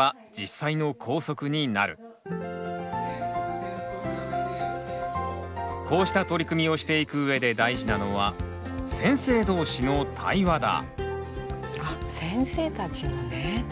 生徒たちはこうした取り組みをしていくうえで大事なのはあっ先生たちもね。